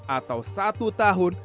atau satu tahun